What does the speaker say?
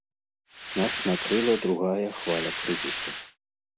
Нас накрыла другая хваля крызісу.